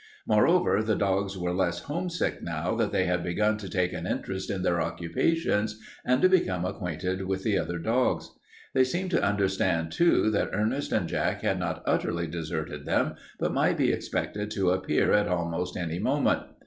Moreover, the dogs were less homesick now that they had begun to take an interest in their occupations and to become acquainted with the other dogs. They seemed to understand, too, that Ernest and Jack had not utterly deserted them but might be expected to appear at almost any moment.